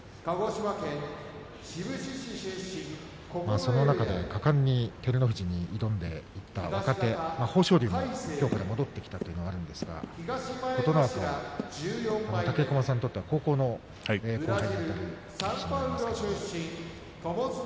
その中で果敢に照ノ富士に挑んでいった若手、豊昇龍もきょう戻ってきたということですが武隈さんにとっては高校の後輩にあたる力士になります。